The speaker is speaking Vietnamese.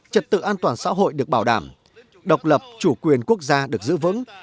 trật tự an toàn xã hội được bảo đảm độc lập chủ quyền quốc gia được giữ vững